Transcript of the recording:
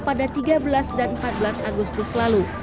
pada tiga belas dan empat belas agustus lalu